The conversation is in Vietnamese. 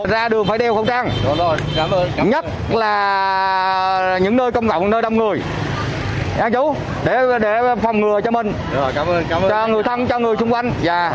ra đường phải đeo khẩu trang nhất là những nơi công cộng nơi đông người để phòng ngừa cho mình cho người thân cho người chung quanh